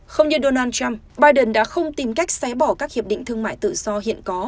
không như donald trump biden đã không tìm cách xé bỏ các hiệp định thương mại tự do hiện có